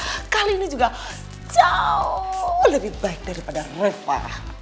ma kali ini juga jauu lebih baik daripada reva